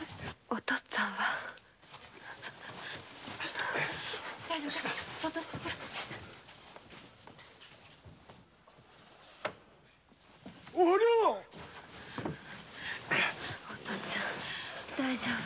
お父っつぁん大丈夫？